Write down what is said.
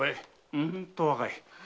うんと若い。